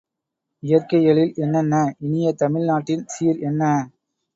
இயற்கைஎழில் என்னென்ன? இனியதமிழ் நாட்டின்சீர் என்ன?